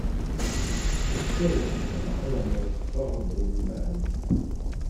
Weḥda weḥda, alma teffeɣ-d d ulman.